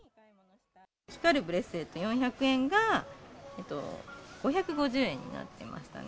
光るブレスレット４００円が、５５０円になってましたね。